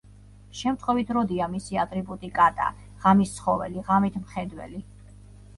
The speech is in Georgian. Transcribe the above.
შემთხვევით როდია მისი ატრიბუტი კატა, ღამის ცხოველი, ღამით მხედველი.